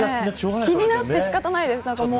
気になって仕方ないです。